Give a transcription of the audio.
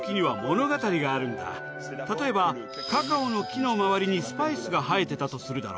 例えばカカオの木の周りにスパイスが生えてたとするだろ。